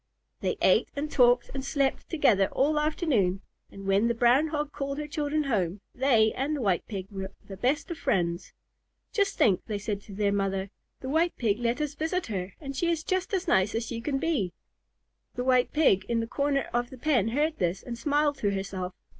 They ate and talked and slept together all afternoon, and when the Brown Hog called her children home, they and the White Pig were the best of friends. "Just think," they said to their mother, "the White Pig let us visit her, and she is just as nice as she can be." The White Pig in her corner of the pen heard this and smiled to herself.